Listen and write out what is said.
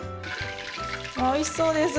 おいしそうです。